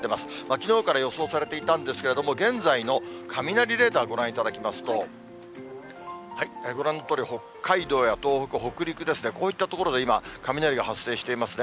きのうから予想されていたんですけれども、現在の雷レーダーご覧いただきますと、ご覧のとおり、北海道や東北、北陸ですね、こういった所で今、雷が発生していますね。